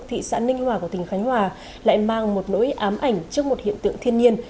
thị xã ninh hòa của tỉnh khánh hòa lại mang một nỗi ám ảnh trước một hiện tượng thiên nhiên